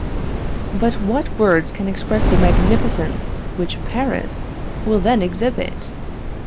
"But what words can express the magnificence which Paris will then exhibit!